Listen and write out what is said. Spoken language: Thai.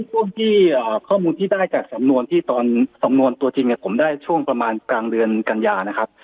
ช่วงที่ข้อมูลที่ได้จากสำนวนที่ตอนสำนวนตัวจริงผมได้ช่วงประมาณกลางเดือนกันยานะครับ